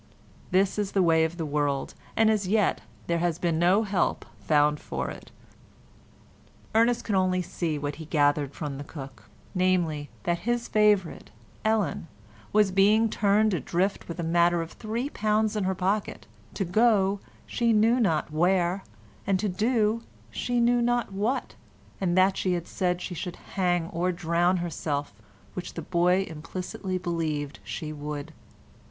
This is the way of the world, and as yet there has been no help found for it. Ernest could only see what he gathered from the cook, namely, that his favourite, Ellen, was being turned adrift with a matter of three pounds in her pocket, to go she knew not where, and to do she knew not what, and that she had said she should hang or drown herself, which the boy implicitly believed she would.